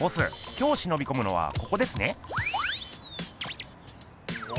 今日しのびこむのはここですね。